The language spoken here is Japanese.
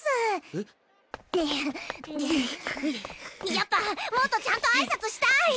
やっぱもっとちゃんと挨拶したい！